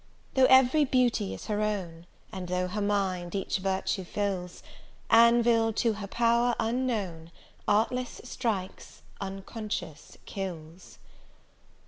Though ev'ry beauty is her own, And though her mind each virtue fills, Anville, to her power unknown, Artless strikes, unconscious kills.